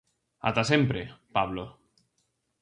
Ata sempre, Pablo.